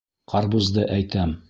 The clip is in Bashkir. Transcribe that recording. Ҡарбузды әйтәм.